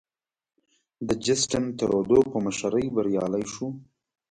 د جسټین ترودو په مشرۍ بریالی شو.